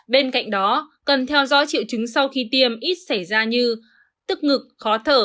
bên cạnh đó cần theo dõi triệu chứng sau khi tiêm ít xảy ra như tức ngực khó thở